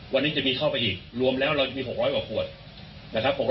วันนี้จะมีเข้าไปอีกรวมแล้วเราจะมี๖๐๐กว่าขวดนะครับผม